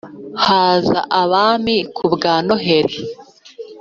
haza abami nk’ubwa noheli